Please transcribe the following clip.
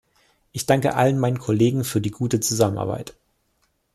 Ich danke allen meinen Kollegen für die gute Zusammenarbeit.